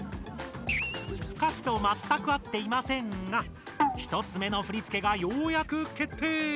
歌詞とまったく合っていませんが１つ目の振付がようやく決定！